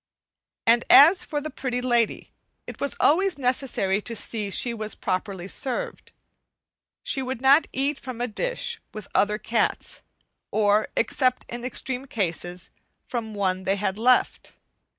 And as for the Pretty Lady, it was always necessary to see that she was properly served. She would not eat from a dish with other cats, or, except in extreme cases, from one they had left.